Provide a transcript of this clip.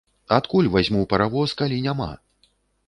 Адкуль вазьму паравоз, калі няма?